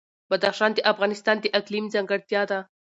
بدخشان د افغانستان د اقلیم ځانګړتیا ده.